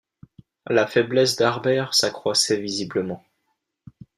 La faiblesse d’Harbert s’accroissait visiblement